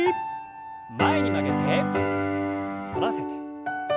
前に曲げて反らせて。